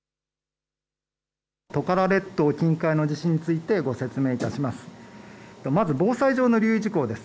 トカラ列島近海の地震についてご説明いたします。